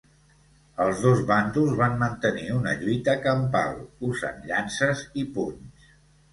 Els dos bàndols van mantenir una lluita campal, usant llances i punys.